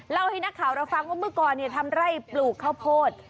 เล่าให้นักข่าวเราฟังว่าเมื่อก่อนทำไร่ปลูกข้าวโพด